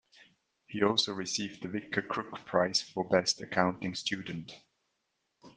He also received the Victor Crooke Prize for Best Accounting Student.